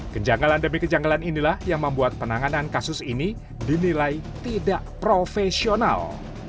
kejanggalan demi kejanggalan inilah yang membuat penanganan kasus ini dinilai tidak profesional